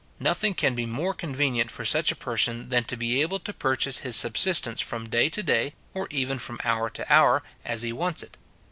Nothing can be more convenient for such a person than to be able to purchase his subsistence from day to day, or even from hour to hour, as he wants it.